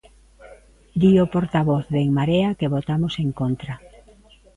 Di o portavoz de En Marea que votamos en contra.